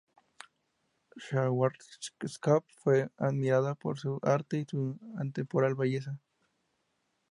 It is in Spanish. Schwarzkopf fue admirada por su arte y su atemporal belleza.